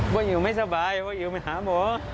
ว่าอิวไม่สบายว่าอิวไม่ถามอ๋อ